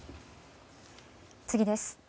次です。